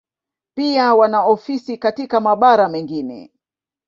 Pia wana ofisi katika mabara mengine.